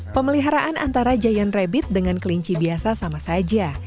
pemeliharaan antara giant rabbit dengan kelinci biasa sama saja